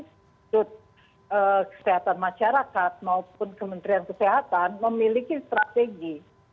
sudut kesehatan masyarakat maupun kementerian kesehatan memiliki strategi